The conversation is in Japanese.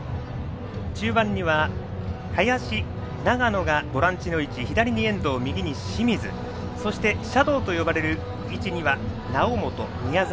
中盤には林、長野がボランチの位置左に遠藤、清水そしてシャドーと呼ばれる位置に猶本、宮澤。